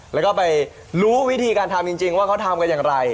แล้วก็ไปรู้วิธีการทำจริงว่าเขาทำกันอย่างไร